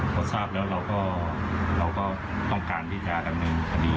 พอทราบแล้วเราก็ต้องการที่จะดำเนินคดี